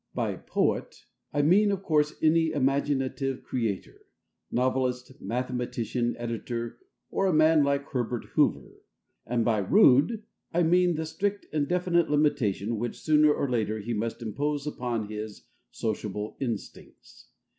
By "poet" I mean, of course, any imaginative creator novelist, mathematician, editor, or a man like Herbert Hoover. And by "rude" I mean the strict and definite limitation which, sooner or later, he must impose upon his sociable instincts.